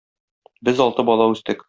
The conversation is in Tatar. Без алты бала үстек.